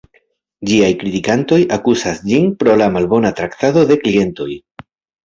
Ĝiaj kritikantoj akuzas ĝin pro la malbona traktado de klientoj.